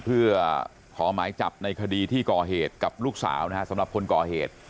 เพื่อขอหมายจับในคดีที่ก่อเหตุกับลูกสาวนะฮะสำหรับคนก่อเหตุ